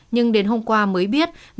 nhưng đến hôm qua mới biết người đi cùng l